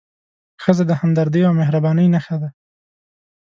ښځه د همدردۍ او مهربانۍ نښه ده.